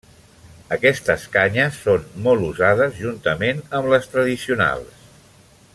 Aquestes canyes són molt usades juntament amb les tradicionals.